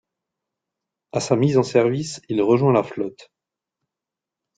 À sa mise en service, il rejoint la flotte.